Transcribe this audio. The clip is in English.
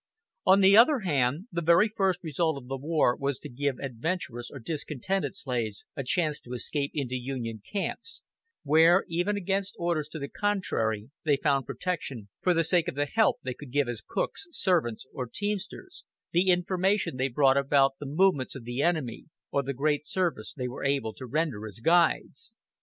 On the other hand the very first result of the war was to give adventurous or discontented slaves a chance to escape into Union camps, where, even against orders to the contrary, they found protection for the sake of the help they could give as cooks, servants, or teamsters, the information they brought about the movements of the enemy, or the great service they were able to render as guides.